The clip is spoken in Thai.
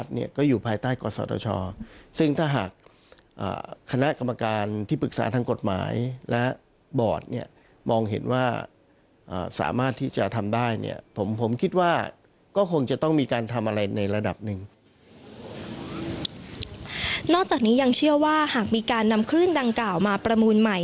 นอกจากนี้ยังเชื่อว่าหากมีการนำคลื่นดังกล่าวมาประมูลใหม่